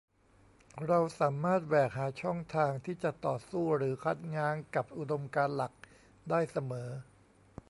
เราสามารถแหวกหาช่องทางที่จะต่อสู้หรือคัดง้างกับอุดมการณ์หลักได้เสมอ